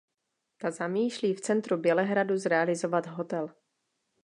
Ta zamýšlí v centru Bělehradu zrealizovat hotel.